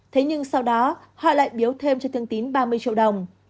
thế nhưng sau đó họ lại biếu thêm cho thương tín ba mươi triệu đồng